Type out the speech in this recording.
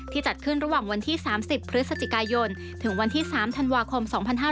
จัดขึ้นระหว่างวันที่๓๐พฤศจิกายนถึงวันที่๓ธันวาคม๒๕๕๙